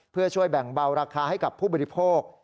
เพื่อช่วยแบ่งเบาราคาให้กับผู้บริโภค